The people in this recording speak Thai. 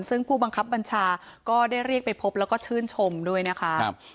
ซึ่งผู้บังคับบัญชาก็ได้เรียกไปพบแล้วก็ชื่นชมด้วยนะคะ